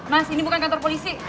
mas ini bukan kantor polisi